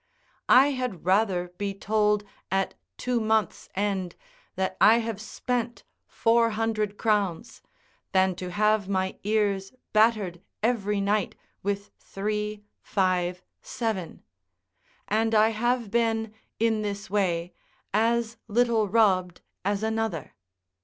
I had rather be told at two months' end that I have spent four hundred crowns, than to have my ears battered every night with three, five, seven: and I have been, in this way, as little robbed as another.